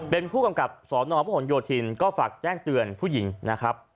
เป็นผู้กำกับสนพระหลโยธินก็ฝากแจ้งเตือนผู้หญิงนะครับ